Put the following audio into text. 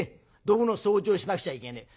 どぶの掃除をしなくちゃいけねえ。